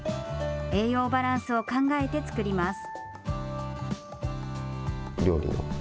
栄養バランスを考えて作ります。